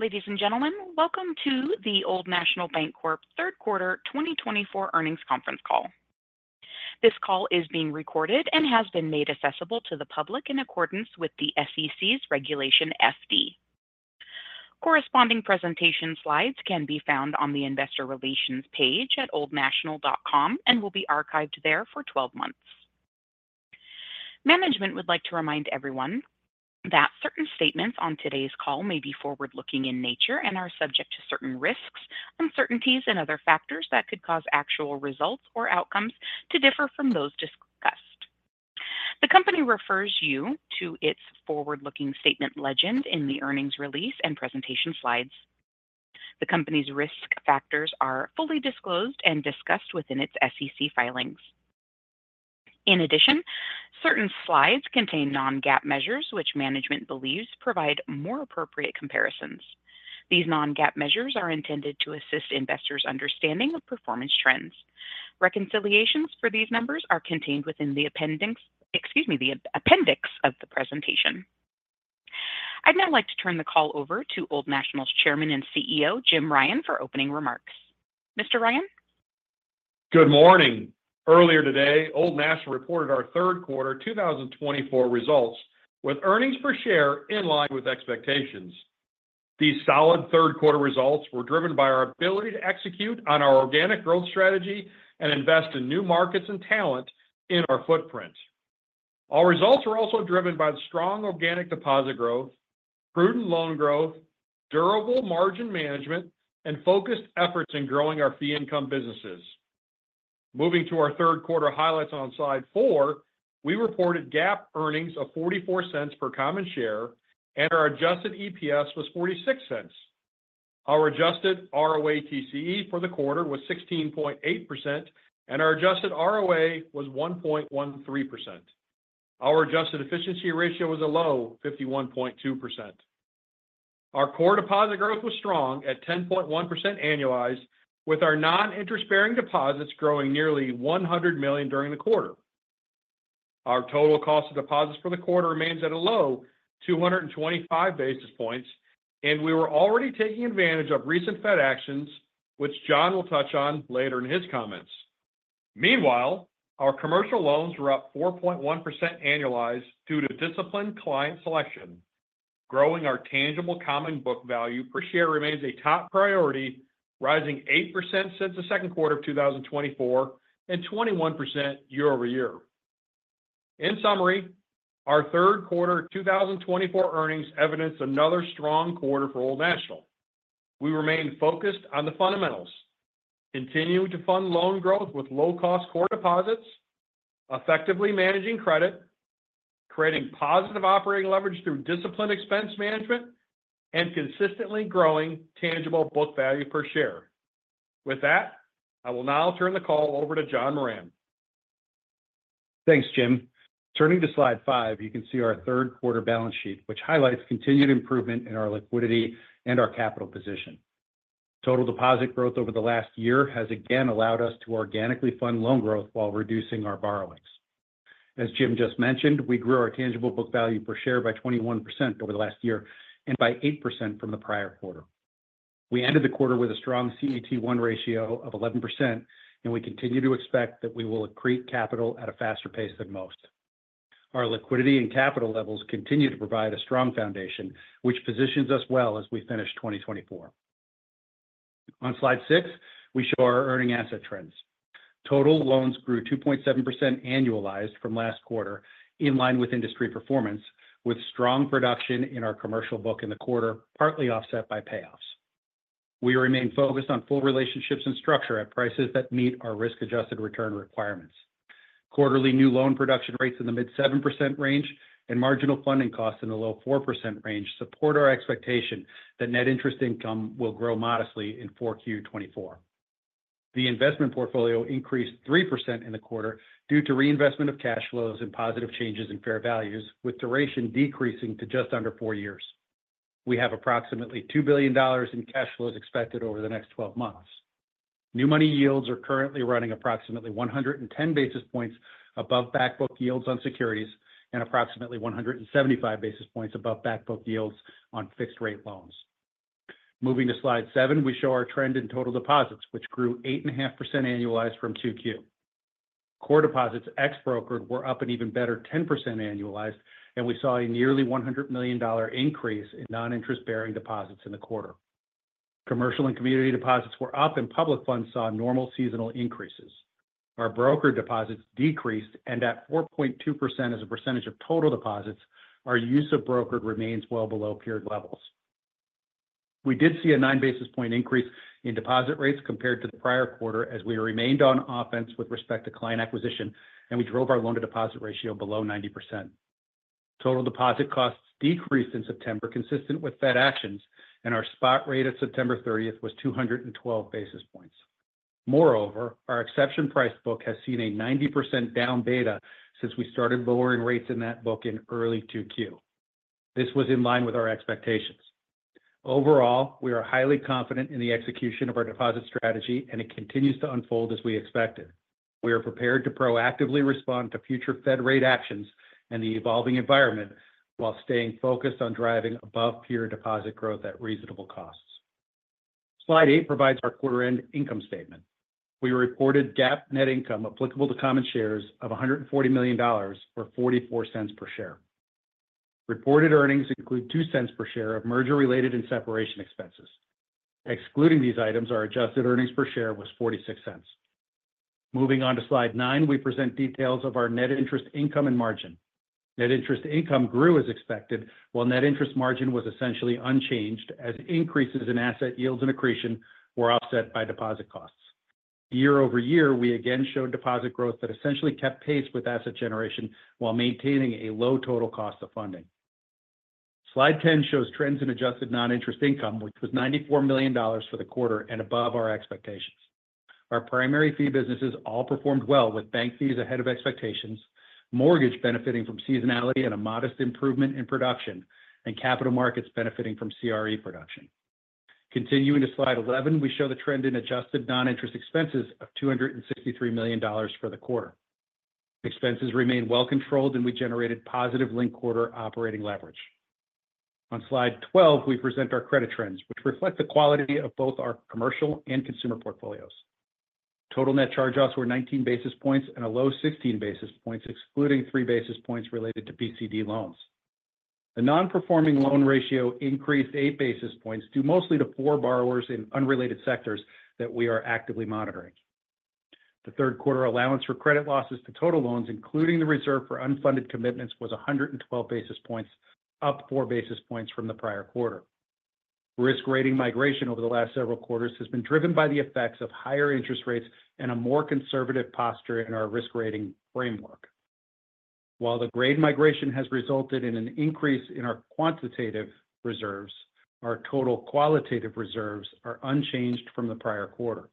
Ladies and gentlemen, welcome to the Old National Bancorp third quarter 2024 earnings conference call. This call is being recorded and has been made accessible to the public in accordance with the SEC's Regulation FD. Corresponding presentation slides can be found on the Investor Relations page at oldnational.com and will be archived there for 12 months. Management would like to remind everyone that certain statements on today's call may be forward-looking in nature and are subject to certain risks, uncertainties, and other factors that could cause actual results or outcomes to differ from those discussed. The company refers you to its forward-looking statement legend in the earnings release and presentation slides. The company's risk factors are fully disclosed and discussed within its SEC filings. In addition, certain slides contain non-GAAP measures, which management believes provide more appropriate comparisons. These non-GAAP measures are intended to assist investors' understanding of performance trends. Reconciliations for these numbers are contained within the appendix, excuse me, the appendix of the presentation. I'd now like to turn the call over to Old National's Chairman and CEO, Jim Ryan, for opening remarks. Mr. Ryan? Good morning. Earlier today, Old National reported our third quarter 2024 results, with earnings per share in line with expectations. These solid third quarter results were driven by our ability to execute on our organic growth strategy and invest in new markets and talent in our footprint. Our results were also driven by the strong organic deposit growth, prudent loan growth, durable margin management, and focused efforts in growing our fee income businesses. Moving to our third quarter highlights on Slide 4, we reported GAAP earnings of $0.44 per common share, and our adjusted EPS was $0.46. Our adjusted ROATCE for the quarter was 16.8%, and our adjusted ROA was 1.13%. Our adjusted efficiency ratio was a low 51.2%. Our core deposit growth was strong at 10.1% annualized, with our non-interest-bearing deposits growing nearly $100 million during the quarter. Our total cost of deposits for the quarter remains at a low 225 basis points, and we were already taking advantage of recent Fed actions, which John will touch on later in his comments. Meanwhile, our commercial loans were up 4.1% annualized due to disciplined client selection. Growing our tangible common book value per share remains a top priority, rising 8% since the second quarter of 2024 and 21% year-over-year. In summary, our third quarter 2024 earnings evidenced another strong quarter for Old National. We remain focused on the fundamentals, continuing to fund loan growth with low-cost core deposits, effectively managing credit, creating positive operating leverage through disciplined expense management, and consistently growing tangible book value per share. With that, I will now turn the call over to John Moran. Thanks, Jim. Turning to Slide 5, you can see our third quarter balance sheet, which highlights continued improvement in our liquidity and our capital position. Total deposit growth over the last year has again allowed us to organically fund loan growth while reducing our borrowings. As Jim just mentioned, we grew our tangible book value per share by 21% over the last year and by 8% from the prior quarter. We ended the quarter with a strong CET1 ratio of 11%, and we continue to expect that we will accrete capital at a faster pace than most. Our liquidity and capital levels continue to provide a strong foundation, which positions us well as we finish 2024. On Slide 6, we show our earning asset trends. Total loans grew 2.7% annualized from last quarter, in line with industry performance, with strong production in our commercial book in the quarter, partly offset by payoffs. We remain focused on full relationships and structure at prices that meet our risk-adjusted return requirements. Quarterly new loan production rates in the mid-7% range and marginal funding costs in the low 4% range support our expectation that net interest income will grow modestly in 4Q 2024. The investment portfolio increased 3% in the quarter due to reinvestment of cash flows and positive changes in fair values, with duration decreasing to just under four years. We have approximately $2 billion in cash flows expected over the next twelve months. New money yields are currently running approximately 110 basis points above back book yields on securities and approximately 175 basis points above back book yields on fixed-rate loans. Moving to Slide 7, we show our trend in total deposits, which grew 8.5% annualized from 2Q. Core deposits, ex brokered, were up an even better 10% annualized, and we saw a nearly $100 million increase in non-interest-bearing deposits in the quarter. Commercial and community deposits were up, and public funds saw normal seasonal increases. Our brokered deposits decreased, and at 4.2% as a percentage of total deposits, our use of brokered remains well below period levels. We did see a nine basis points increase in deposit rates compared to the prior quarter as we remained on offense with respect to client acquisition, and we drove our loan-to-deposit ratio below 90%. Total deposit costs decreased in September, consistent with Fed actions, and our spot rate of September 30th was 212 basis points. Moreover, our exception price book has seen a 90% down beta since we started lowering rates in that book in early 2Q. This was in line with our expectations. Overall, we are highly confident in the execution of our deposit strategy, and it continues to unfold as we expected. We are prepared to proactively respond to future Fed rate actions and the evolving environment while staying focused on driving above-peer deposit growth at reasonable costs. Slide 8 provides our quarter-end income statement. We reported GAAP net income applicable to common shares of $140 million, or $0.44 per share. Reported earnings include $0.02 per share of merger-related and separation expenses. Excluding these items, our adjusted earnings per share was $0.46. Moving on to Slide 9, we present details of our net interest income and margin. Net interest income grew as expected, while net interest margin was essentially unchanged as increases in asset yields and accretion were offset by deposit costs. year-over-year, we again showed deposit growth that essentially kept pace with asset generation while maintaining a low total cost of funding. Slide 10 shows trends in adjusted non-interest income, which was $94 million for the quarter and above our expectations. Our primary fee businesses all performed well, with bank fees ahead of expectations, mortgage benefiting from seasonality and a modest improvement in production, and capital markets benefiting from CRE production. Continuing to Slide 11, we show the trend in adjusted non-interest expenses of $263 million for the quarter. Expenses remained well controlled, and we generated positive linked quarter operating leverage. On Slide 12, we present our credit trends, which reflect the quality of both our commercial and consumer portfolios. Total net charge-offs were 19 basis points and a low 16 basis points, excluding 3 basis points related to PCD loans. The non-performing loan ratio increased 8 basis points, due mostly to poor borrowers in unrelated sectors that we are actively monitoring. The third quarter allowance for credit losses to total loans, including the reserve for unfunded commitments, was 112 basis points, up four basis points from the prior quarter. Risk rating migration over the last several quarters has been driven by the effects of higher interest rates and a more conservative posture in our risk rating framework. While the grade migration has resulted in an increase in our quantitative reserves, our total qualitative reserves are unchanged from the prior quarter.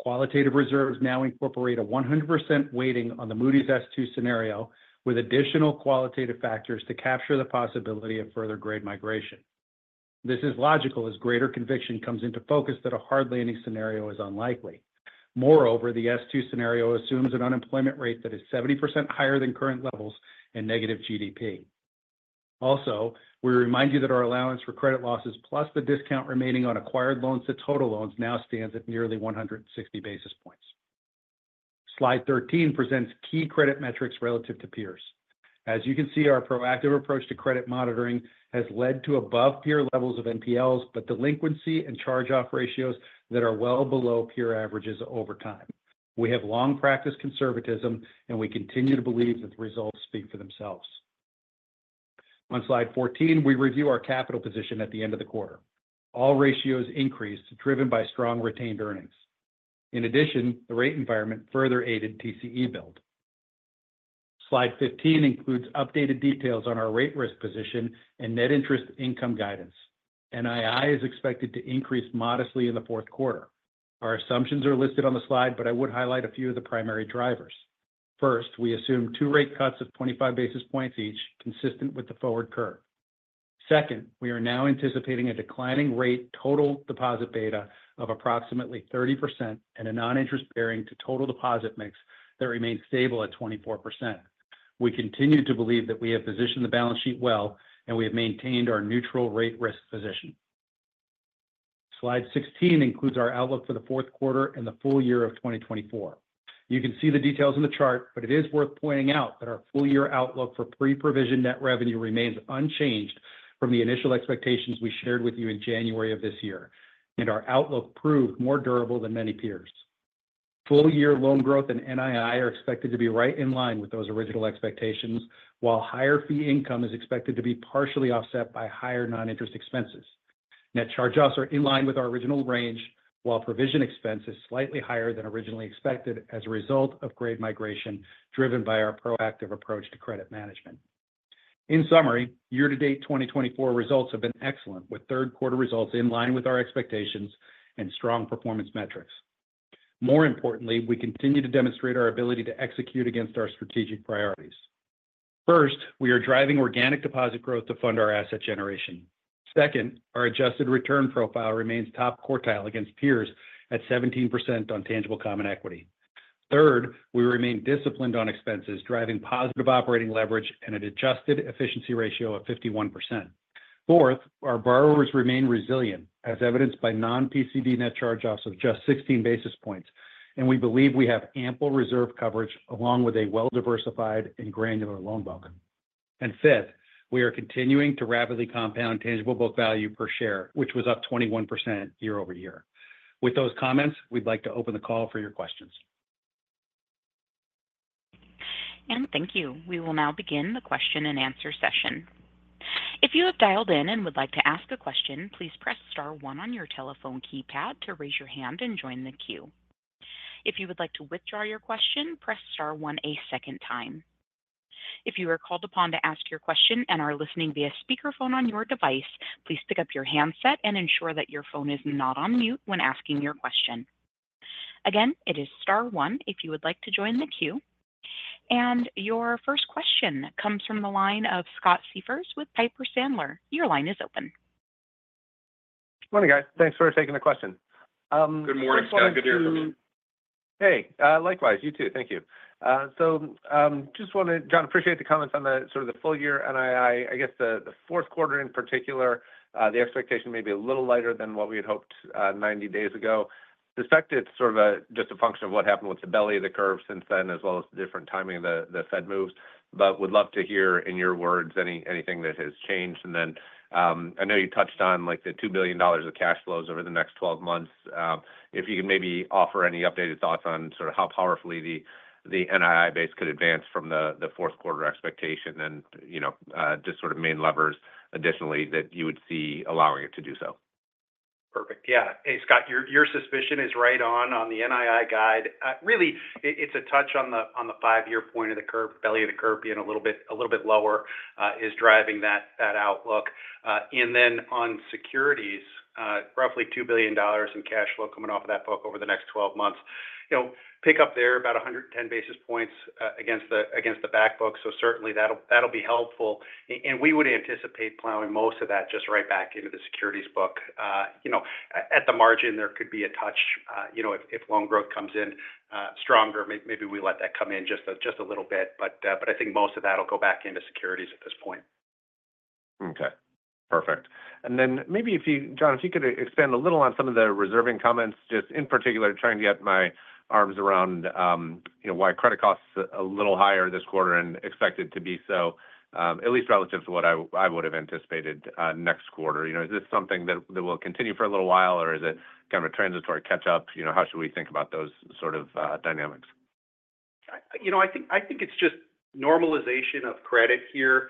Qualitative reserves now incorporate a 100% weighting on the Moody's S2 scenario, with additional qualitative factors to capture the possibility of further grade migration. This is logical, as greater conviction comes into focus that a hard landing scenario is unlikely. Moreover, the S2 scenario assumes an unemployment rate that is 70% higher than current levels and negative GDP. Also, we remind you that our allowance for credit losses, plus the discount remaining on acquired loans to total loans, now stands at nearly 160 basis points. Slide 13 presents key credit metrics relative to peers. As you can see, our proactive approach to credit monitoring has led to above-peer levels of NPLs, but delinquency and charge-off ratios that are well below peer averages over time. We have long practiced conservatism, and we continue to believe that the results speak for themselves. On Slide 14, we review our capital position at the end of the quarter. All ratios increased, driven by strong retained earnings. In addition, the rate environment further aided TCE build. Slide 15 includes updated details on our rate risk position and net interest income guidance. NII is expected to increase modestly in the fourth quarter. Our assumptions are listed on the slide, but I would highlight a few of the primary drivers. First, we assume two rate cuts of 25 basis points each, consistent with the forward curve. Second, we are now anticipating a declining rate total deposit beta of approximately 30% and a non-interest bearing to total deposit mix that remains stable at 24%. We continue to believe that we have positioned the balance sheet well, and we have maintained our neutral rate risk position. Slide 16 includes our outlook for the fourth quarter and the full year of 2024. You can see the details in the chart, but it is worth pointing out that our full-year outlook for pre-provision net revenue remains unchanged from the initial expectations we shared with you in January of this year, and our outlook proved more durable than many peers. Full year loan growth and NII are expected to be right in line with those original expectations, while higher fee income is expected to be partially offset by higher non-interest expenses. Net charge-offs are in line with our original range, while provision expense is slightly higher than originally expected as a result of grade migration driven by our proactive approach to credit management. In summary, year-to-date 2024 results have been excellent, with third quarter results in line with our expectations and strong performance metrics. More importantly, we continue to demonstrate our ability to execute against our strategic priorities. First, we are driving organic deposit growth to fund our asset generation. Second, our adjusted return profile remains top quartile against peers at 17% on tangible common equity. Third, we remain disciplined on expenses, driving positive operating leverage and an adjusted efficiency ratio of 51%. Fourth, our borrowers remain resilient, as evidenced by non-PCD net charge-offs of just 16 basis points, and we believe we have ample reserve coverage, along with a well-diversified and granular loan book. And fifth, we are continuing to rapidly compound tangible book value per share, which was up 21% year-over-year. With those comments, we'd like to open the call for your questions. And thank you. We will now begin the question-and-answer session. If you have dialed in and would like to ask a question, please press star one on your telephone keypad to raise your hand and join the queue. If you would like to withdraw your question, press star one a second time. If you are called upon to ask your question and are listening via speakerphone on your device, please pick up your handset and ensure that your phone is not on mute when asking your question. Again, it is star one if you would like to join the queue. And your first question comes from the line of Scott Siefers with Piper Sandler. Your line is open. Morning, guys. Thanks for taking the question. Just wanted to- Good morning, Scott. Good to hear from you. Hey, likewise. You too. Thank you. So, just wanted, John, appreciate the comments on the sort of the full year NII. I guess the fourth quarter in particular, the expectation may be a little lighter than what we had hoped, 90 days ago. Suspect it's sort of just a function of what happened with the belly of the curve since then, as well as the different timing of the Fed moves. But would love to hear in your words, anything that has changed. And then, I know you touched on, like, the $2 billion of cash flows over the next 12 months. If you could maybe offer any updated thoughts on sort of how powerfully the NII base could advance from the fourth quarter expectation and, you know, just sort of main levers additionally that you would see allowing it to do so? Perfect. Yeah. Hey, Scott, your suspicion is right on the NII guide. Really, it's a touch on the five-year point of the curve. Belly of the curve being a little bit lower is driving that outlook and then on securities, roughly $2 billion in cash flow coming off of that book over the next 12 months. You know, pick up there about 110 basis points against the back book, so certainly that'll be helpful and we would anticipate plowing most of that just right back into the securities book. You know, at the margin, there could be a touch, you know, if loan growth comes in stronger, maybe we let that come in just a little bit. But I think most of that'll go back into securities at this point. Okay, perfect. And then maybe if you, John, if you could expand a little on some of the reserving comments, just in particular, trying to get my arms around, you know, why credit costs a little higher this quarter and expected to be so, at least relative to what I would have anticipated, next quarter. You know, is this something that will continue for a little while, or is it kind of a transitory catch-up? You know, how should we think about those sort of dynamics? You know, I think it's just normalization of credit here.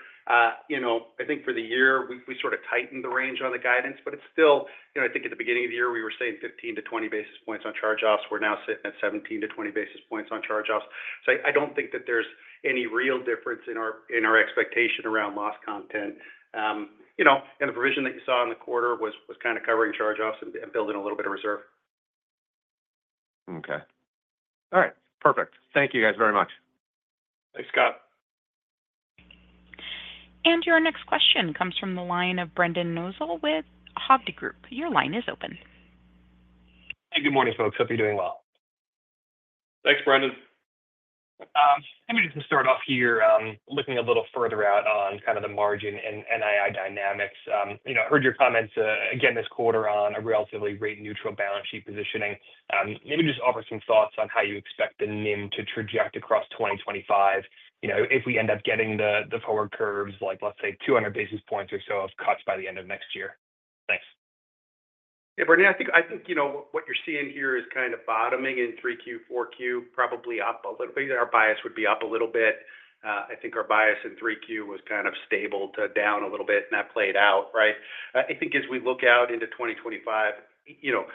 You know, I think for the year, we sort of tightened the range on the guidance, but it's still. You know, I think at the beginning of the year, we were saying 15 basis points-20 basis points on charge-offs. We're now sitting at 17 basis points-20 basis points on charge-offs. So I don't think that there's any real difference in our expectation around loss content. You know, and the provision that you saw in the quarter was kind of covering charge-offs and building a little bit of reserve. Okay. All right. Perfect. Thank you, guys, very much. Thanks, Scott. Your next question comes from the line of Brendan Nosal with Hovde Group. Your line is open. Hey, good morning, folks. Hope you're doing well. Thanks, Brendan. Maybe just to start off here, looking a little further out on kind of the margin and NII dynamics. You know, I heard your comments again this quarter on a relatively rate-neutral balance sheet positioning. Maybe just offer some thoughts on how you expect the NIM to trajectory across 2025, you know, if we end up getting the forward curves, like, let's say, 200 basis points or so of cuts by the end of next year? Thanks. Hey, Brendan, I think you know what you're seeing here is kind of bottoming in 3Q, 4Q, probably up a little bit. Our bias would be up a little bit. I think our bias in 3Q was kind of stable to down a little bit, and that played out, right? I think as we look out into 2025, you know,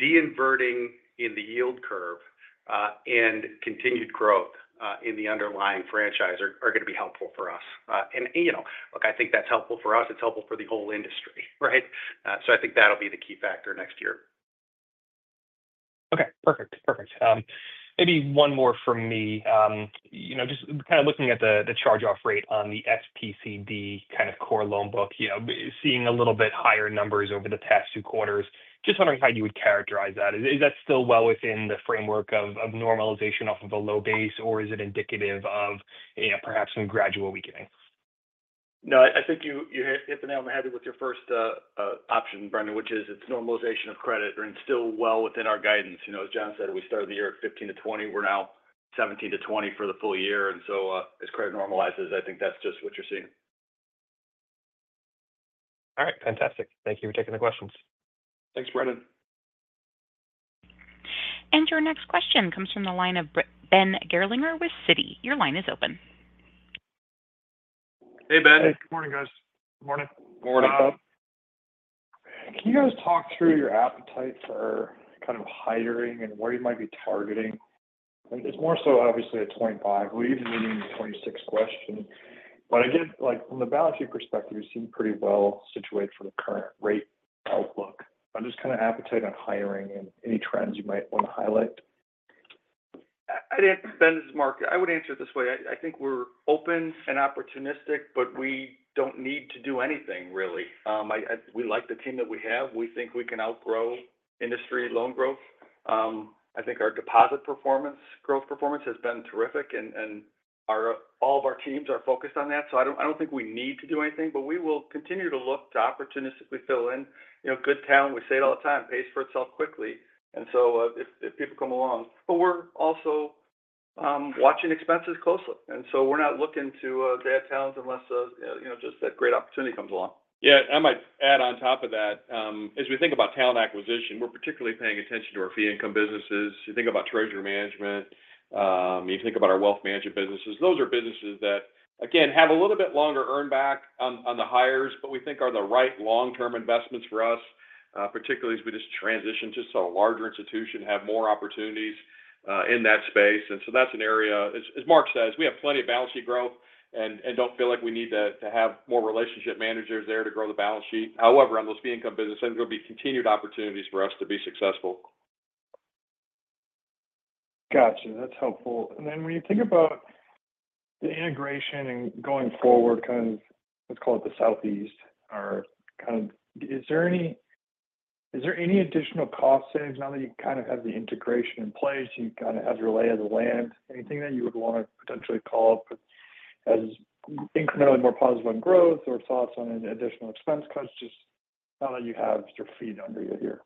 de-inverting in the yield curve and continued growth in the underlying franchise are going to be helpful for us. And, you know, look, I think that's helpful for us, it's helpful for the whole industry, right? So I think that'll be the key factor next year. Okay, perfect. Perfect. Maybe one more from me. You know, just kind of looking at the charge-off rate on the PCD kind of core loan book, you know, seeing a little bit higher numbers over the past two quarters. Just wondering how you would characterize that. Is that still well within the framework of normalization off of a low base, or is it indicative of, you know, perhaps some gradual weakening? No, I think you hit the nail on the head with your first option, Brendan, which is it's normalization of credit and still well within our guidance. You know, as John said, we started the year at 15-20. We're now 17-20 for the full year, and so, as credit normalizes, I think that's just what you're seeing. All right, fantastic. Thank you for taking the questions. Thanks, Brendan. Your next question comes from the line of Ben Gerlinger with Citi. Your line is open. Hey, Ben. Hey, good morning, guys. Good morning. Good morning, Ben. Can you guys talk through your appetite for kind of hiring and where you might be targeting? It's more so obviously a 2025. We're even getting into the 2026 question. But again, like, from the balance sheet perspective, you seem pretty well situated for the current rate outlook. But just kind of appetite on hiring and any trends you might want to highlight. I'd answer, Ben, this is Mark. I would answer it this way: I think we're open and opportunistic, but we don't need to do anything, really. We like the team that we have. We think we can outgrow industry loan growth. I think our deposit performance, growth performance has been terrific, and all of our teams are focused on that, so I don't think we need to do anything, but we will continue to look to opportunistically fill in. You know, good talent, we say it all the time, pays for itself quickly. And so, if people come along. But we're also watching expenses closely, and so we're not looking to add talents unless, you know, just that great opportunity comes along. Yeah, I might add on top of that, as we think about talent acquisition, we're particularly paying attention to our fee income businesses. You think about treasury management, you think about our wealth management businesses. Those are businesses that, again, have a little bit longer earn back on the hires, but we think are the right long-term investments for us, particularly as we just transition to a larger institution, have more opportunities, in that space. And so that's an area. As Mark says, we have plenty of balance sheet growth and don't feel like we need to have more relationship managers there to grow the balance sheet. However, on those fee income businesses, there's going to be continued opportunities for us to be successful. Gotcha, that's helpful. And then when you think about the integration and going forward, kind of, let's call it the Southeast, or kind of, is there any additional cost savings now that you kind of have the integration in place, you kind of have your lay of the land? Anything that you would want to potentially call out that is incrementally more positive on growth or thoughts on any additional expense cuts, just now that you have your feet under you here?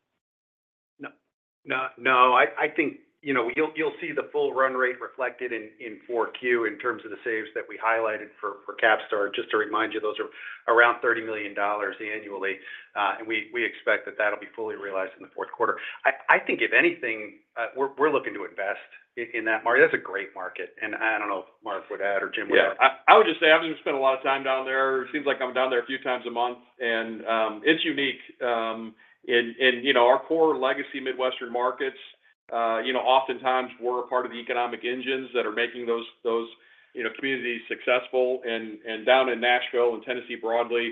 No, not. No, I think, you know, you'll see the full run rate reflected in Q4 in terms of the saves that we highlighted for CapStar. Just to remind you, those are around $30 million annually. And we expect that that'll be fully realized in the fourth quarter. I think, if anything, we're looking to invest in that market. That's a great market, and I don't know if Mark would add or Jim would add. Yeah. I would just say, I haven't spent a lot of time down there. It seems like I'm down there a few times a month, and it's unique. And you know, our core legacy Midwestern markets, you know, oftentimes we're a part of the economic engines that are making those you know, communities successful. And down in Nashville and Tennessee broadly,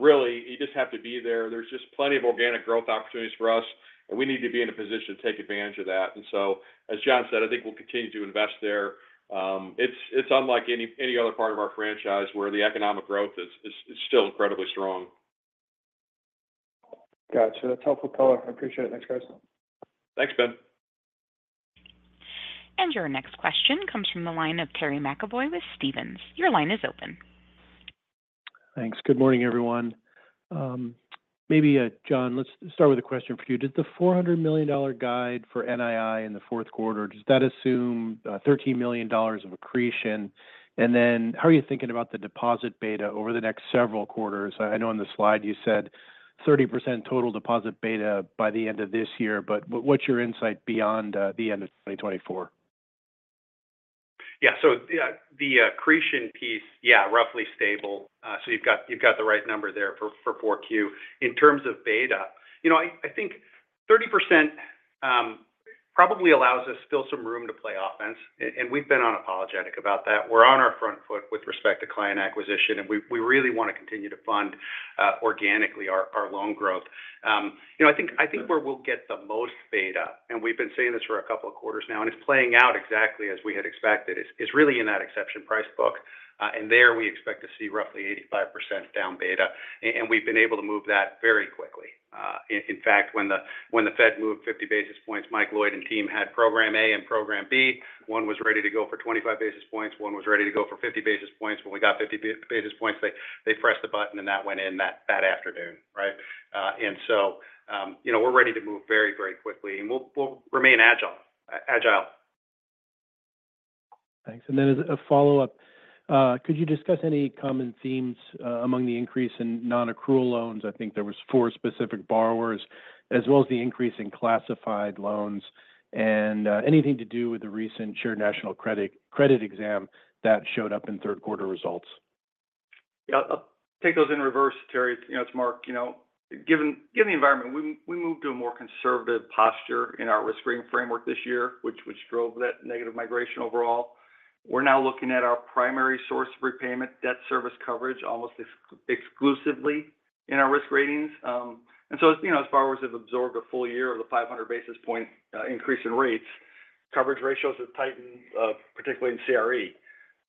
really, you just have to be there. There's just plenty of organic growth opportunities for us, and we need to be in a position to take advantage of that. And so, as John said, I think we'll continue to invest there. It's unlike any other part of our franchise where the economic growth is still incredibly strong. Got you. That's helpful color. I appreciate it. Thanks, guys. Thanks, Ben. And your next question comes from the line of Terry McEvoy with Stephens. Your line is open. Thanks. Good morning, everyone. Maybe John, let's start with a question for you. Did the $400 million guide for NII in the fourth quarter, does that assume $13 million of accretion? And then how are you thinking about the deposit beta over the next several quarters? I know on the slide you said 30% total deposit beta by the end of this year, but what's your insight beyond the end of 2024? Yeah. So, the accretion piece, yeah, roughly stable. So you've got the right number there for Q4. In terms of beta, you know, I think 30% probably allows us still some room to play offense, and we've been unapologetic about that. We're on our front foot with respect to client acquisition, and we really want to continue to fund organically our loan growth. You know, I think where we'll get the most beta, and we've been saying this for a couple of quarters now, and it's playing out exactly as we had expected, is really in that exception price book. And there, we expect to see roughly 85% down beta, and we've been able to move that very quickly. In fact, when the Fed moved 50 basis points, Mike Lloyd and team had program A and program B. One was ready to go for 25 basis points, one was ready to go for fifty basis points. When we got 50 basis points, they pressed the button, and that went in that afternoon, right? And so, you know, we're ready to move very, very quickly, and we'll remain agile. Thanks. And then as a follow-up, could you discuss any common themes, among the increase in non-accrual loans? I think there was four specific borrowers, as well as the increase in classified loans, and, anything to do with the recent Shared National Credit, credit exam that showed up in third quarter results. Yeah. I'll take those in reverse, Terry. You know, it's Mark. You know, given the environment, we moved to a more conservative posture in our risk rating framework this year, which drove that negative migration overall. We're now looking at our primary source of repayment, debt service coverage, almost exclusively in our risk ratings. And so, as you know, as borrowers have absorbed a full year of the 500 basis point increase in rates, coverage ratios have tightened, particularly in CRE.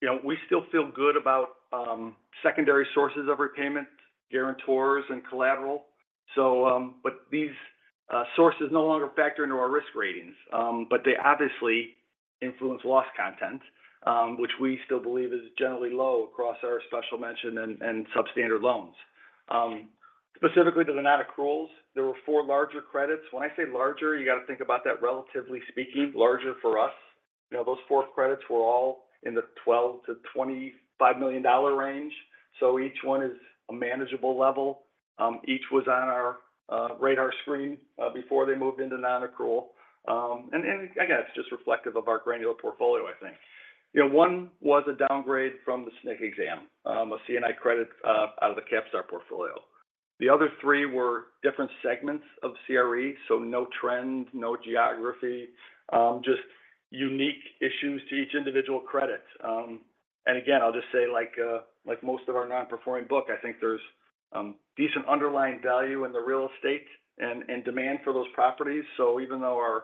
You know, we still feel good about secondary sources of repayment, guarantors, and collateral. So, but these sources no longer factor into our risk ratings. But they obviously influence loss content, which we still believe is generally low across our special mention and substandard loans. Specifically to the nonaccruals, there were four larger credits. When I say larger, you got to think about that, relatively speaking, larger for us. You know, those four credits were all in the $12 million-$25 million range, so each one is a manageable level. Each was on our radar screen before they moved into nonaccrual. And again, that's just reflective of our granular portfolio, I think. You know, one was a downgrade from the SNC exam, a C&I credit out of the CapStar portfolio. The other three were different segments of CRE, so no trend, no geography, just unique issues to each individual credit. And again, I'll just say, like, like most of our non-performing book, I think there's decent underlying value in the real estate and demand for those properties. So even though our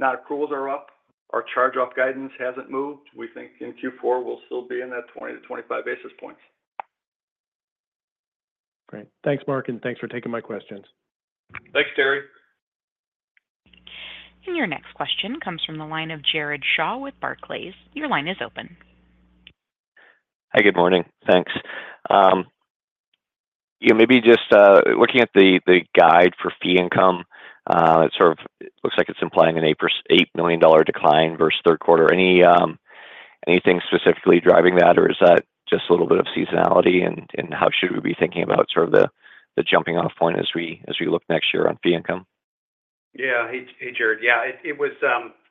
nonaccruals are up, our charge-off guidance hasn't moved. We think in Q4, we'll still be in that 20-25 basis points. Great. Thanks, Mark, and thanks for taking my questions. Thanks, Terry. Your next question comes from the line of Jared Shaw with Barclays. Your line is open. Hi, good morning. Thanks. You know, maybe just looking at the guide for fee income, it sort of looks like it's implying an $8 million decline versus third quarter. Anything specifically driving that, or is that just a little bit of seasonality, and how should we be thinking about sort of the jumping off point as we look next year on fee income? Yeah. Hey, Jared. Yeah, it was,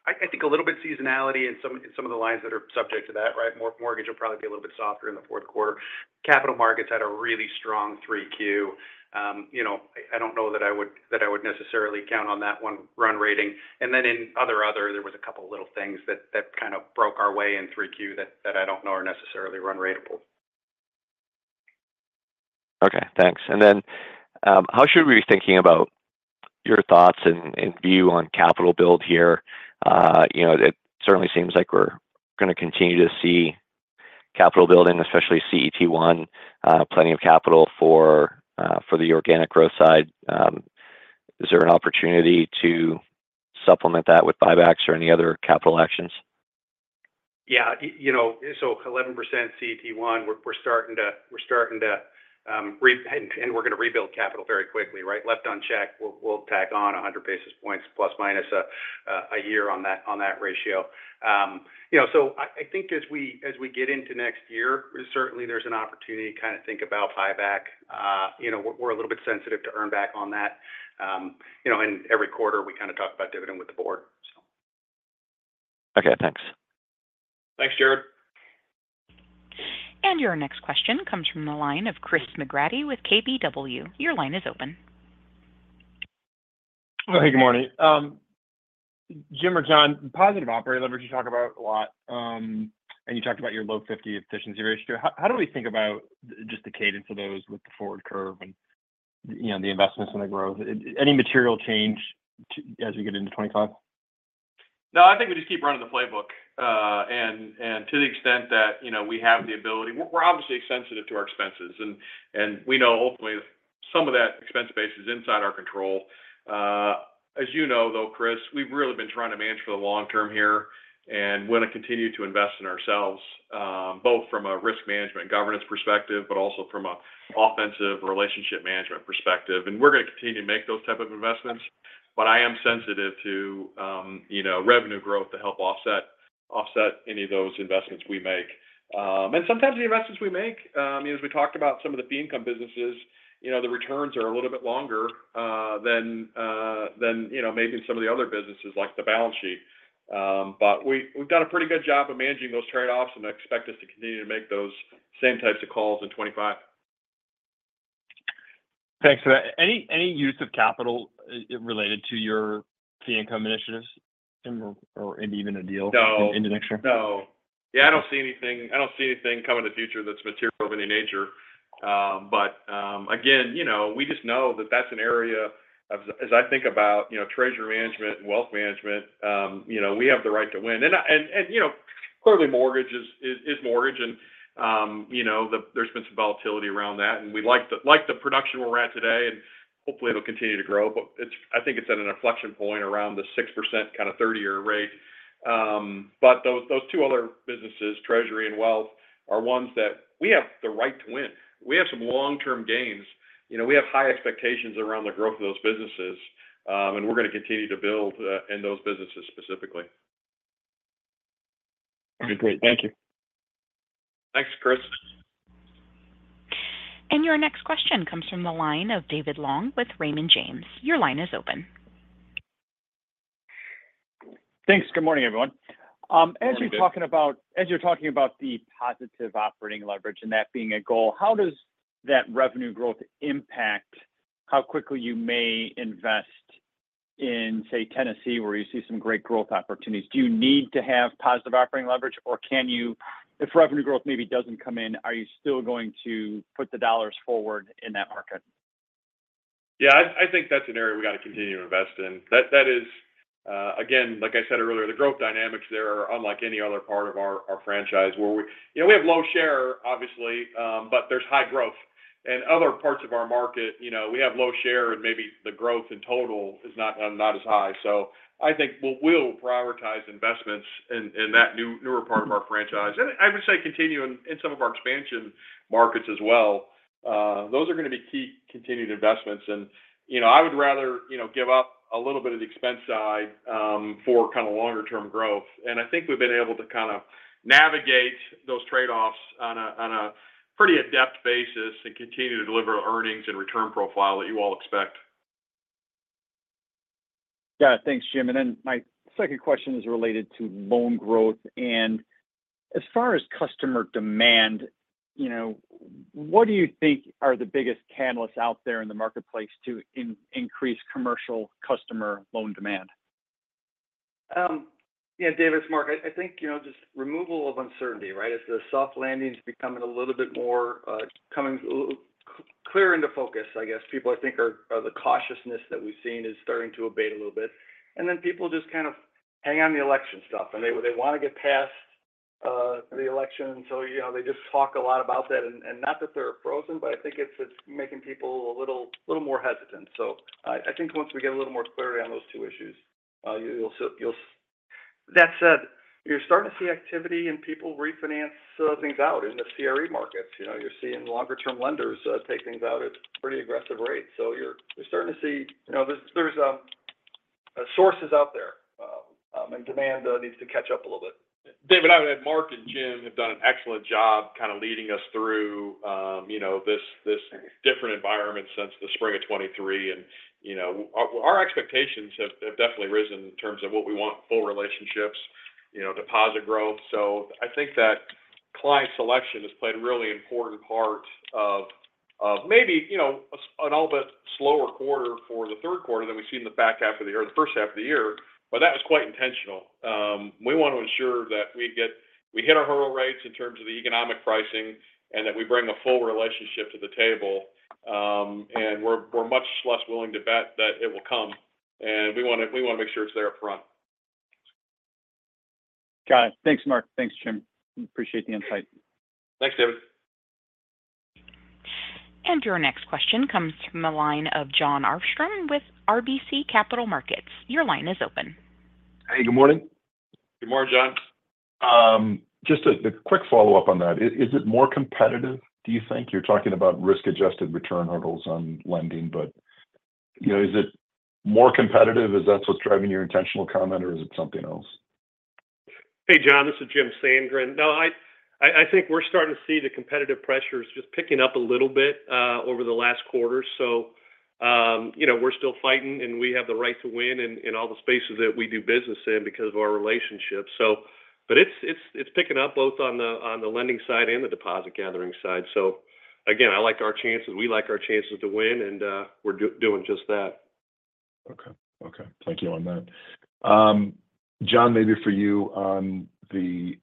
I think a little bit seasonality in some of the lines that are subject to that, right? Mortgage will probably be a little bit softer in the fourth quarter. Capital Markets had a really strong 3Q. You know, I don't know that I would necessarily count on that one run-rate. And then in other, there was a couple of little things that kind of broke our way in 3Q that I don't know are necessarily run-ratable. Okay, thanks. And then, how should we be thinking about your thoughts and view on capital build here? You know, it certainly seems like we're going to continue to see capital building, especially CET1, plenty of capital for the organic growth side. Is there an opportunity to supplement that with buybacks or any other capital actions? Yeah. You know, so 11% CET1, we're starting to rebuild capital very quickly, right? Left unchecked, we'll tack on 100 basis points ± a year on that ratio. You know, so I think as we get into next year, certainly there's an opportunity to kind of think about buyback. You know, we're a little bit sensitive to earn back on that. You know, and every quarter, we kind of talk about dividend with the board, so. Okay, thanks. Thanks, Jared. Your next question comes from the line of Chris McGratty with KBW. Your line is open. Hey, good morning. Jim or John, positive operating leverage, you talk about a lot, and you talked about your low fifties efficiency ratio. How do we think about just the cadence of those with the forward curve and, you know, the investments and the growth? Any material change to as we get into 2025? No, I think we just keep running the playbook. And to the extent that, you know, we have the ability. We're obviously sensitive to our expenses, and we know ultimately some of that expense base is inside our control. As you know, though, Chris, we've really been trying to manage for the long term here and want to continue to invest in ourselves, both from a risk management governance perspective, but also from an offensive relationship management perspective. And we're going to continue to make those type of investments, but I am sensitive to, you know, revenue growth to help offset any of those investments we make. And sometimes the investments we make, you know, as we talked about some of the fee income businesses, you know, the returns are a little bit longer than you know, maybe some of the other businesses, like the balance sheet. But we've done a pretty good job of managing those trade-offs, and I expect us to continue to make those same types of calls in 2025. Thanks for that. Any use of capital related to your fee income initiatives, Jim, or maybe even a deal- No. In the next year? No. Yeah, I don't see anything. I don't see anything coming to the future that's material of any nature. But again, you know, we just know that that's an area, as I think about, you know, treasury management, wealth management, you know, we have the right to win. And you know, clearly mortgage is mortgage, and you know, there's been some volatility around that, and we like the production where we're at today, and hopefully it'll continue to grow. But I think it's at an inflection point around the 6% kind of 30 year rate. But those two other businesses, treasury and wealth, are ones that we have the right to win. We have some long-term gains. You know, we have high expectations around the growth of those businesses, and we're going to continue to build in those businesses specifically. Okay, great. Thank you. Thanks, Chris. Your next question comes from the line of David Long with Raymond James. Your line is open. Thanks. Good morning, everyone. Good morning, David. As you're talking about the positive operating leverage and that being a goal, how does that revenue growth impact how quickly you may invest in, say, Tennessee, where you see some great growth opportunities? Do you need to have positive operating leverage, or can you- if revenue growth maybe doesn't come in, are you still going to put the dollars forward in that market? Yeah, I think that's an area we got to continue to invest in. That is, again, like I said earlier, the growth dynamics there are unlike any other part of our franchise, where we... You know, we have low share, obviously, but there's high growth. In other parts of our market, you know, we have low share, and maybe the growth in total is not as high. So I think we'll prioritize investments in that newer part of our franchise. I would say continue in some of our expansion markets as well. Those are going to be key continued investments. You know, I would rather, you know, give up a little bit of the expense side for kind of longer term growth. I think we've been able to kind of navigate those trade-offs on a pretty adept basis and continue to deliver earnings and return profile that you all expect. Yeah. Thanks, Jim. And then my second question is related to loan growth. And as far as customer demand, you know, what do you think are the biggest catalysts out there in the marketplace to increase commercial customer loan demand? Yeah, David, it's Mark. I think, you know, just removal of uncertainty, right? As the soft landing is becoming a little bit more coming clear into focus, I guess the cautiousness that we've seen is starting to abate a little bit. And then people just kind of hang on the election stuff, and they want to get past the election. So, you know, they just talk a lot about that, and not that they're frozen, but I think it's making people a little more hesitant. So I think once we get a little more clarity on those two issues, you'll see. That said, you're starting to see activity and people refinance things out in the CRE markets. You know, you're seeing longer-term lenders take things out at pretty aggressive rates. So you're starting to see, you know, there's sources out there, and demand needs to catch up a little bit. David, I would add Mark and Jim have done an excellent job kind of leading us through, you know, this, this different environment since the spring of 2023, and you know, our, our expectations have, have definitely risen in terms of what we want: full relationships, you know, deposit growth, so I think that client selection has played a really important part of, of maybe, you know, a somewhat slower quarter for the third quarter than we've seen in the back half of the year or the first half of the year, but that was quite intentional. We want to ensure that we hit our hurdle rates in terms of the economic pricing and that we bring a full relationship to the table, and we're, we're much less willing to bet that it will come and we wanna make sure it's there up front. Got it. Thanks, Mark. Thanks, Jim. Appreciate the insight. Thanks, David. Your next question comes from the line of John Arfstrom with RBC Capital Markets. Your line is open. Hey, good morning. Good morning, John. Just a quick follow-up on that. Is it more competitive, do you think? You're talking about risk-adjusted return hurdles on lending, but, you know, is it more competitive? Is that what's driving your intentional comment, or is it something else? Hey, John, this is Jim Sandgren. No, I think we're starting to see the competitive pressures just picking up a little bit over the last quarter. So, you know, we're still fighting, and we have the right to win in all the spaces that we do business in because of our relationships. So but it's picking up both on the lending side and the deposit gathering side. So again, I like our chances. We like our chances to win, and we're doing just that. Okay, thank you on that. John, maybe for you on the.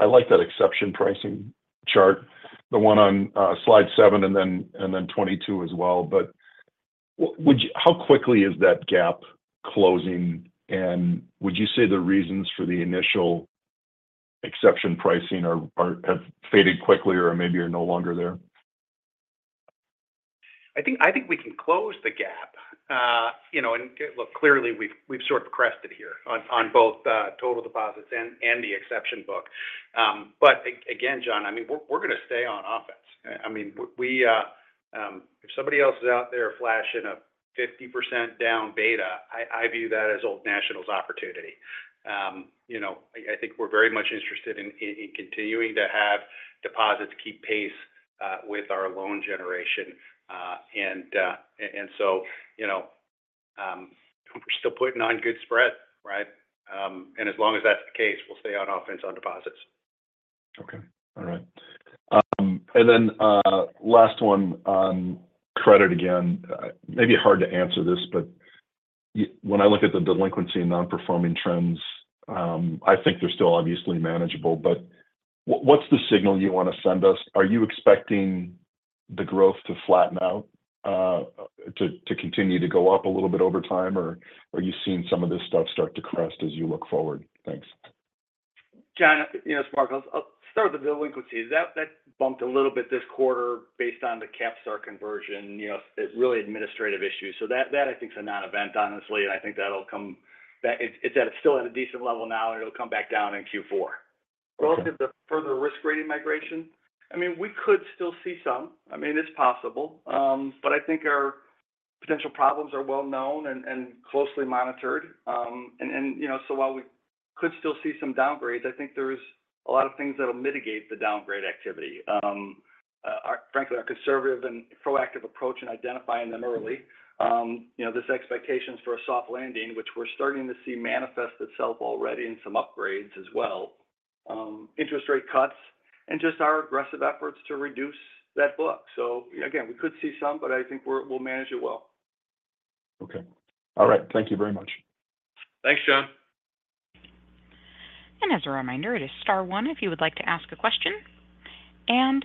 I like that exception pricing chart, the one on Slide 7 and then 22 as well. But how quickly is that gap closing, and would you say the reasons for the initial exception pricing have faded quickly or maybe are no longer there? I think we can close the gap. You know, and look, clearly, we've sort of crested here on both total deposits and the exception book. But again, John, I mean, we're gonna stay on offense. I mean, we, if somebody else is out there flashing a 50% deposit beta, I view that as Old National's opportunity. You know, I think we're very much interested in continuing to have deposits keep pace with our loan generation. And so, you know, we're still putting on good spread, right? And as long as that's the case, we'll stay on offense on deposits. Okay. All right. And then, last one, on credit again. Maybe hard to answer this, but when I look at the delinquency and non-performing trends, I think they're still obviously manageable, but what's the signal you want to send us? Are you expecting the growth to flatten out, to continue to go up a little bit over time, or are you seeing some of this stuff start to crest as you look forward? Thanks. John, you know, Mark, I'll start with the delinquencies. That bumped a little bit this quarter based on the CapStar conversion, you know, it's really administrative issues. So that, I think, is a non-event, honestly, and I think that'll come, that it's still at a decent level now, and it'll come back down in Q4. Okay. Relative to further risk rating migration, I mean, we could still see some. I mean, it's possible. But I think our potential problems are well known and closely monitored. And, you know, so while we could still see some downgrades, I think there is a lot of things that'll mitigate the downgrade activity. Frankly, our conservative and proactive approach in identifying them early, you know, this expectations for a soft landing, which we're starting to see manifest itself already in some upgrades as well, interest rate cuts and just our aggressive efforts to reduce that book. So again, we could see some, but I think we'll manage it well. Okay. All right. Thank you very much. Thanks, John. And as a reminder, it is star one if you would like to ask a question. And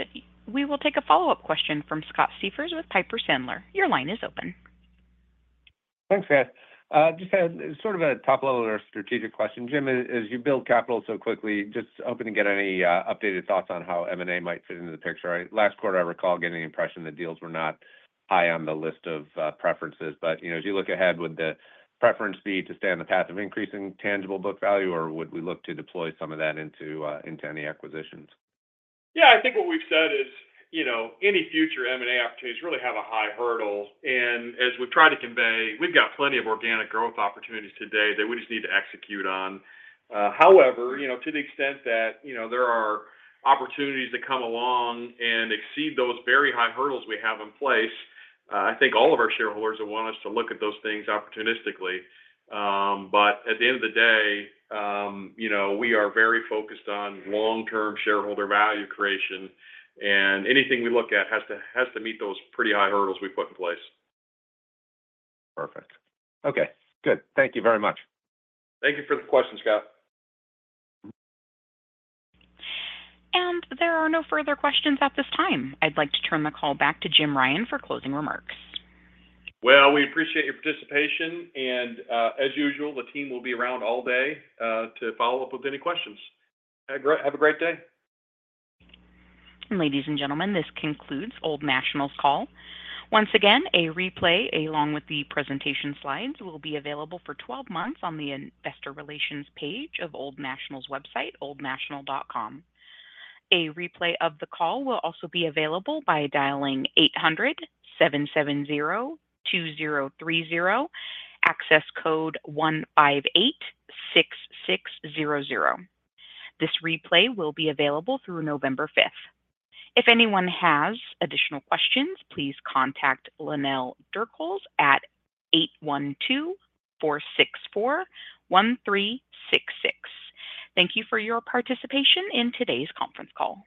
we will take a follow-up question from Scott Siefers with Piper Sandler. Your line is open. Thanks, guys. Just as sort of a top-level or strategic question, Jim, as you build capital so quickly, just hoping to get any updated thoughts on how M&A might fit into the picture. Last quarter, I recall getting the impression that deals were not high on the list of preferences. But, you know, as you look ahead, would the preference be to stay on the path of increasing tangible book value, or would we look to deploy some of that into any acquisitions? Yeah, I think what we've said is, you know, any future M&A opportunities really have a high hurdle. And as we've tried to convey, we've got plenty of organic growth opportunities today that we just need to execute on. However, you know, to the extent that, you know, there are opportunities that come along and exceed those very high hurdles we have in place, I think all of our shareholders would want us to look at those things opportunistically. But at the end of the day, you know, we are very focused on long-term shareholder value creation, and anything we look at has to, has to meet those pretty high hurdles we've put in place. Perfect. Okay, good. Thank you very much. Thank you for the question, Scott. There are no further questions at this time. I'd like to turn the call back to Jim Ryan for closing remarks. We appreciate your participation, and, as usual, the team will be around all day to follow up with any questions. Have a great day. Ladies and gentlemen, this concludes Old National's call. Once again, a replay, along with the presentation slides, will be available for 12 months on the investor relations page of Old National's website, oldnational.com. A replay of the call will also be available by dialing 800-770-2030, access code 158-6600. This replay will be available through November 5th. If anyone has additional questions, please contact Lynell Dirkhuis at 812-464-1366. Thank you for your participation in today's conference call.